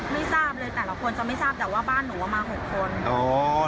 ไม่ทราบเลยแต่ละคนจะไม่ทราบแต่ว่าบ้านหนูเอามา๖คน